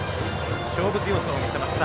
勝負強さを見せました。